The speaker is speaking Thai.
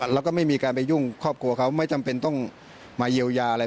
แล้วก็ไม่มีการไปยุ่งครอบครัวเขาไม่จำเป็นต้องมาเยียวยาอะไร